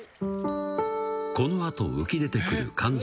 このあと浮き出てくる漢字